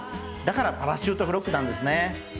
だからパラシュートフロッグなんですね。